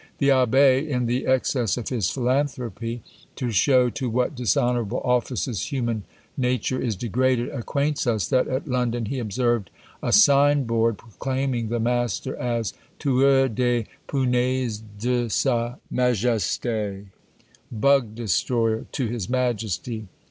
The Abbé, in the excess of his philanthropy, to show to what dishonourable offices human nature is degraded, acquaints us that at London he observed a sign board, proclaiming the master as tueur des punaises de sa majesté! Bug destroyer to his majesty!